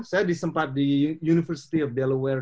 saya disempat di university of delaware